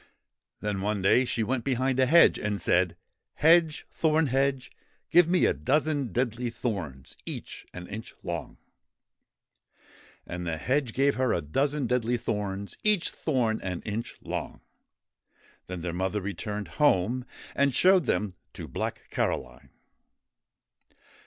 Then, one day, she went behind a hedge and said :' Hedge, Thorn hedge, give me a dozen deadly thorns, each one an inch long !' And the hedge gave her a dozen deadly thorns, each thorn an inch long. Then their mother returned home, and showed them to Black Caroline.